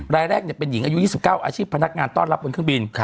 รายแรกเป็นหญิงอายุ๒๙อาชีพพนักงานต้อนรับบนเครื่องบิน